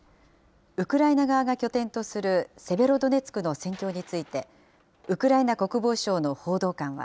ウクライナ側が拠点とするセベロドネツクの戦況について、ウクライナ国防省の報道官は。